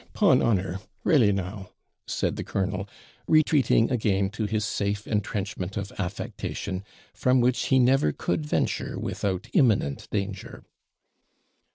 'Eh! 'pon honour! re'lly now!' said the colonel, retreating again to his safe entrenchment of affectation, from which he never could venture without imminent danger.